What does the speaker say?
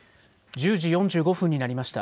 １０時４５分になりました。